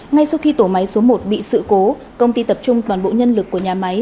ngay sau khi tổ máy số một bị sự cố công ty tập trung toàn bộ nhân lực của nhà máy